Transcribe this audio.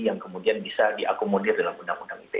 yang kemudian bisa diakomodir dalam undang undang ite